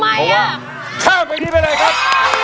เพราะว่าช่างเพลงนี้ไปเลยครับ